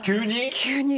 急に。